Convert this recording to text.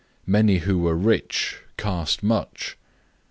Many who were rich cast in much.